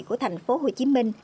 của thành phố hồ chí minh